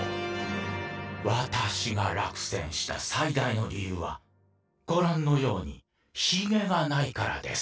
「私が落選した最大の理由はご覧のようにひげがないからです」。